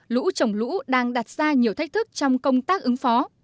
lũ trồng lũ đang đặt ra nhiều thách thức trong công tác ứng phó